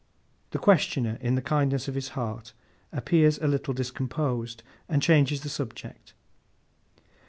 The questioner, in the kindness of his heart, appears a little discomposed, and changes the subject.